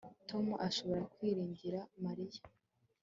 tom ashobora kwiringira mariya